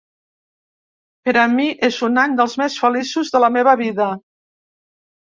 Per a mi és un any dels més feliços de la meva vida.